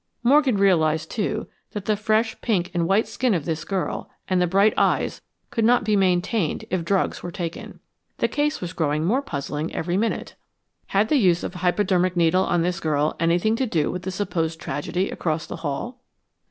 Morgan realized, too, that the fresh pink and white skin of this girl, and the bright eyes, could not be maintained if drugs were taken. The case was growing more puzzling every minute. Had the use of a hypodermic needle on this girl anything to do with the supposed tragedy across the hall?